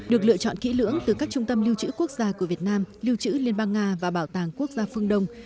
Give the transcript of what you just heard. được lựa chọn kỹ lưỡng từ các trung tâm lưu trữ quốc gia của việt nam lưu trữ liên bang nga và bảo tàng quốc gia phương đông